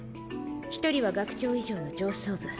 １人は学長以上の上層部。